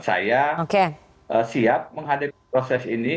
saya siap menghadapi proses ini